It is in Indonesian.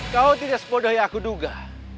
kau tidak sepodoh yang aku duga